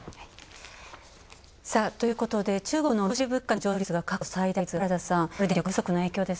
ということで、中国の卸売物価の上昇率が過去最大です。